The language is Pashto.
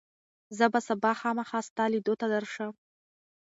زه به سبا خامخا ستا لیدو ته درشم.